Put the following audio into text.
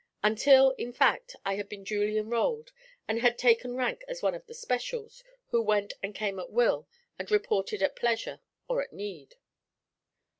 until, in fact, I had been duly enrolled, and had taken rank as one of the 'specials,' who went and came at will and reported at pleasure or at need.